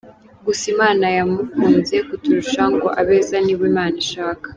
Gusa imana ya mukunze kuturusha ngo abeza nibo imana ishaka.